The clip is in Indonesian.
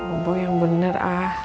oh bu yang bener ah